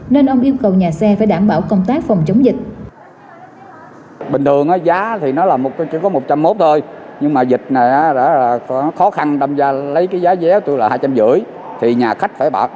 nên ông yêu cầu nhà xe phải đảm bảo công tác phòng chống dịch